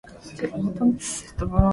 Սա զենքով դիմադրում է և կոտորում բոլորին։